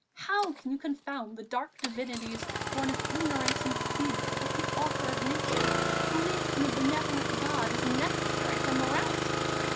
how can you confound the dark divinities born of ignorance and fear with the Author of Nature? Belief in a benevolent God is necessary for morality.